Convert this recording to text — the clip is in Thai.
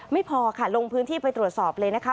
ไม่พอค่ะลงพื้นที่ไปตรวจสอบเลยนะคะ